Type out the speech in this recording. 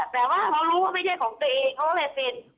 แต่ว่าเขารู้ว่าไม่ใช่ของตัวเองเขาก็เลยเซ็น